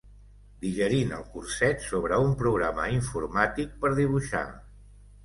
Digerint el curset sobre un programa informàtic per dibuixar.